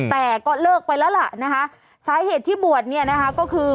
แต่ก็เลิกไปแล้วล่ะนะคะสาเหตุที่บวชเนี่ยนะคะก็คือ